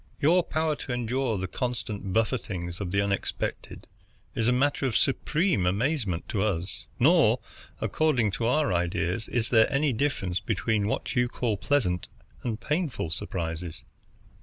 Your power to endure the constant buffetings of the unexpected is a matter of supreme amazement to us; nor, according to our ideas, is there any difference between what you call pleasant and painful surprises.